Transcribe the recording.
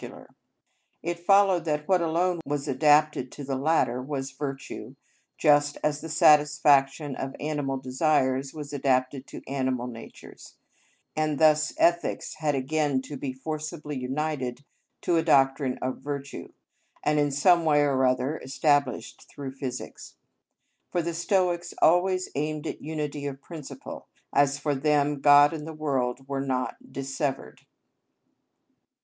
Laert., 7, 89). It followed that what alone was adapted to the latter was virtue, just as the satisfaction of animal desires was adapted to animal natures; and thus ethics had again to be forcibly united to a doctrine of virtue, and in some way or other established through physics. For the Stoics always aimed at unity of principle, as for them God and the world were not dissevered.